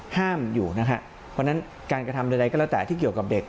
ห้ามอยู่นะฮะเพราะฉะนั้นการกระทำใดก็แล้วแต่ที่เกี่ยวกับเด็ก